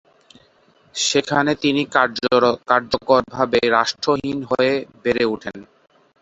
সেখানে তিনি কার্যকরভাবে রাষ্ট্রহীন হয়ে বেড়ে ওঠেন।